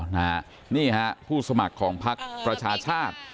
นี่ฮะผู้สมัครของพักประชาชาติ